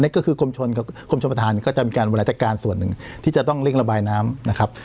ก็คือกรมชมประธานก็จะมีการบริหารจัดการส่วนหนึ่งที่จะต้องเร่งระบายน้ำนะครับ